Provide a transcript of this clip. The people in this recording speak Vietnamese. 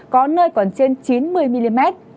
có nơi còn trên chín mươi mm